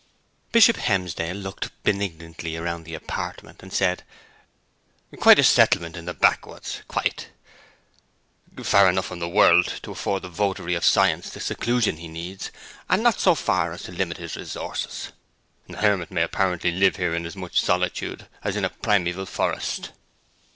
Bishop Helmsdale looked benignantly around the apartment, and said, 'Quite a settlement in the backwoods quite: far enough from the world to afford the votary of science the seclusion he needs, and not so far as to limit his resources. A hermit might apparently live here in as much solitude as in a primeval forest.'